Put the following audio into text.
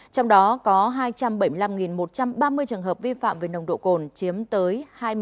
trong đó có hai trăm bảy mươi năm một trăm ba mươi trường hợp vi phạm về nồng độ cồn chiếm tới hai mươi sáu